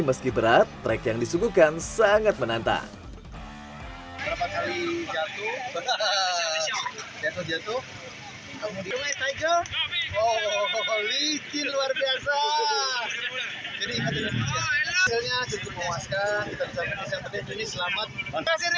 meski berat track yang disuguhkan sangat menantang berapa kali jatuh jatuh jatuh